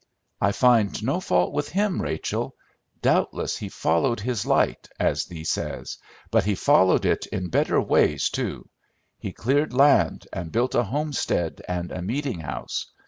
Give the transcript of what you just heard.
"I find no fault with him, Rachel. Doubtless he followed his light, as thee says, but he followed it in better ways too. He cleared land and built a homestead and a meeting house.